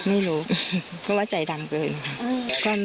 ไม่รู้ก็ว่าใจดำเกินค่ะ